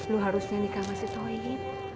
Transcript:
lo harusnya nikah sama si toib